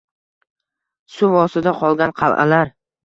Suv ostida qolgan qal’alar